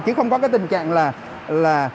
chứ không có cái tình trạng là